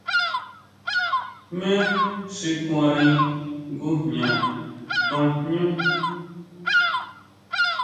¿Jmé xi kuanri ngujña kuan jñú?